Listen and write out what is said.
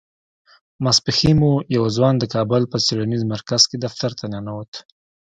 ماسپښين و يو ځوان د کابل په څېړنيز مرکز کې دفتر ته ننوت.